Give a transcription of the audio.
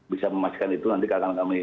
bisa memastikan itu nanti akan kami